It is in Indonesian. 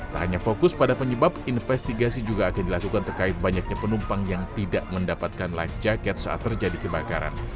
tak hanya fokus pada penyebab investigasi juga akan dilakukan terkait banyaknya penumpang yang tidak mendapatkan life jacket saat terjadi kebakaran